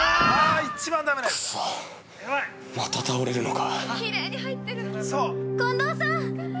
◆くっそ、また倒れるのか◆